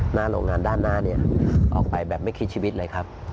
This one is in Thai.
หน้าโรงงานด้านหน้านี้ออกไปแบบไม่คิดชีวิตเลยครับ